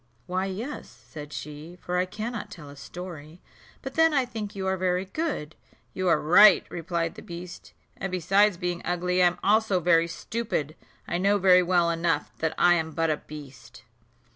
"Why, yes," said she, "for I cannot tell a story; but then I think you are very good." "You are right," replied the beast; "and, besides being ugly, I am also very stupid: I know very well enough that I am but a beast."